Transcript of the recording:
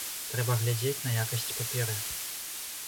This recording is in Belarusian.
Трэба глядзець на якасць паперы.